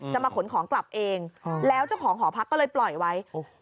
มาขนของกลับเองแล้วเจ้าของหอพักก็เลยปล่อยไว้โอ้โห